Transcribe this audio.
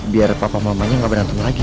biar papa mamanya nggak berantem lagi